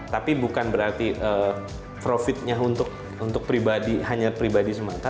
tapi bukan berarti profitnya untuk pribadi hanya pribadi semata